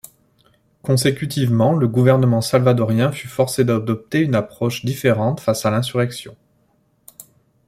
Consécutivement le gouvernement salvadorien fut forcé d’adopter une approche différente face à l’insurrection.